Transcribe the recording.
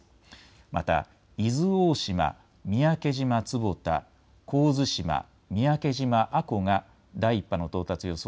また伊豆大島、三宅島坪田、神津島、三宅島阿古が第１波の到達予想